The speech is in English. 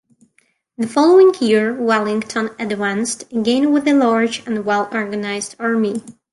The following year, Wellington advanced again with a large, well-organized army.